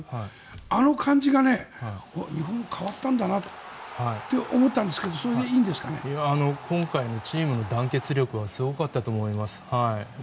あの感じが日本、変わったんだなって思ったんですけど今回のチームの団結力はすごかったと思います。